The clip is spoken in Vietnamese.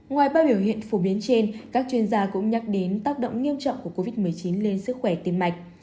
ngoài ba biểu hiện phổ biến trên các chuyên gia cũng nhắc đến tác động nghiêm trọng của covid một mươi chín lên sức khỏe tim mạch